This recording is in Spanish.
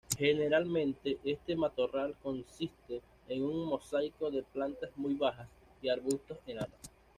Generalmente este matorral consiste en un mosaico de plantas muy bajas, y arbustos enanos.